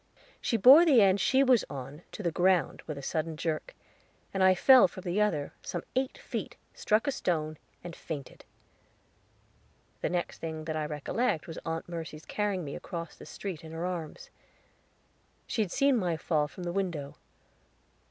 She bore the end she was on to the ground with a sudden jerk, and I fell from the other, some eight feet, struck a stone, and fainted. The next thing that I recollect was Aunt Mercy's carrying me across the street in her arms. She had seen my fall from the window.